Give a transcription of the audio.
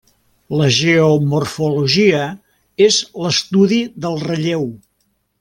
La geomorfologia és l'estudi del relleu.